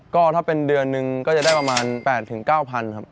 ก็ถ้าเป็นเดือนนึงก็จะได้ประมาณ๘๙๐๐ครับ